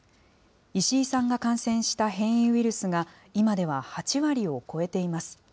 石井さんが感染した変異ウイルスが、今では８割を超えています。